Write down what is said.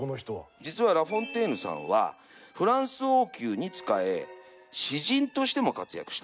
実はラ・フォンテーヌさんはフランス王宮に仕え詩人としても活躍した。